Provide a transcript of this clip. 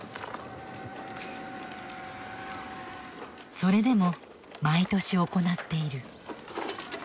それでも毎年行っている。